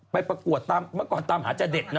ไปประกวดเมื่อก่อนตามหาจะเด็ดเนอะ